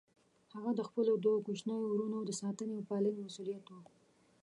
هغه د خپلو دوه کوچنيو وروڼو د ساتنې او پالنې مسئوليت و.